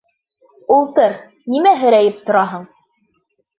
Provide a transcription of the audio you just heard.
Ултыр, нимә һерәйеп тораһың?